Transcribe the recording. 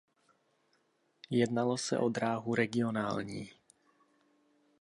Jednalo se o dráhu regionální.